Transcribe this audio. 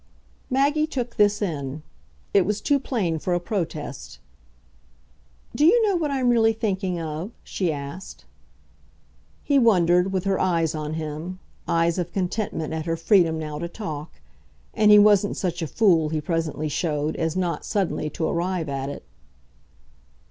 Maggie took this in it was too plain for a protest. "Do you know what I'm really thinking of?" she asked. He wondered, with her eyes on him eyes of contentment at her freedom now to talk; and he wasn't such a fool, he presently showed, as not, suddenly, to arrive at it.